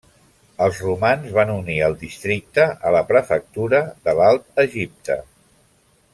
Els romans van unir el districte a la prefectura de l'Alt Egipte.